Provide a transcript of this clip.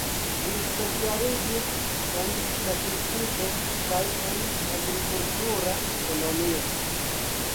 Li specialiĝis en statistiko kaj en agrikultura ekonomio.